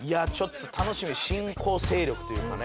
楽しみ新興勢力というかね。